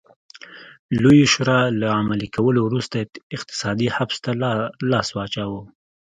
لویې شورا له عملي کولو وروسته اقتصادي حبس ته لاس واچاوه.